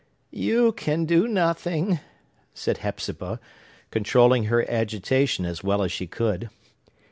"You can do nothing," said Hepzibah, controlling her agitation as well as she could.